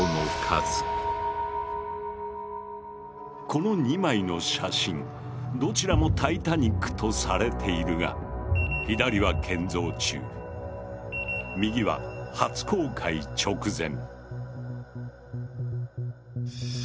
この２枚の写真どちらもタイタニックとされているが左は建造中右は初航海直前。